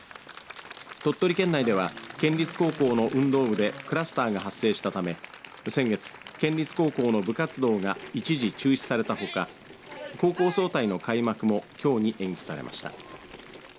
鳥取県内では県立高校の運動部でクラスターが発生したため、先月県立高校の部活動が一時中止されたほか高校総体の開幕もきょうに延期されました。